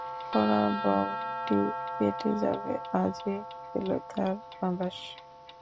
পরাভবটি কেটে যাবে আজই পেল তার আভাস।